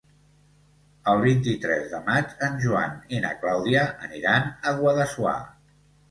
El vint-i-tres de maig en Joan i na Clàudia aniran a Guadassuar.